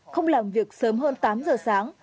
không làm việc sớm hơn tám giờ sáng